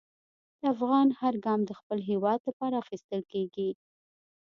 د افغان هر ګام د خپل هېواد لپاره اخیستل کېږي.